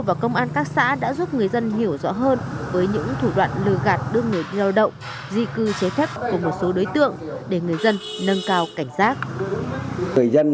và công an các xã đã giúp người dân